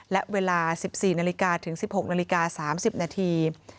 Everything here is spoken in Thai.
และเวลา๑๔นาฬิกาถึง๑๖นาฬิกา๓๐นาที